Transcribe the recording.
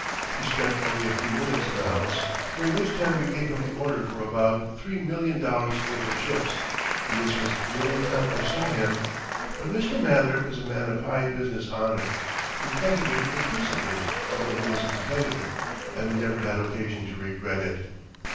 He spent only a few minutes in the house, during which time we gave him the order for about $3,000,000 worth of ships and this was the only time I saw him. But Mr. Mather is a man of high business honour, we trusted him implicitly although he was a competitor, and we never had occasion to regret it.